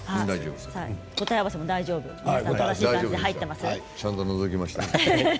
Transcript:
答え合わせも大丈夫ですか？